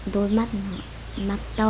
đôi mắt nó mặt to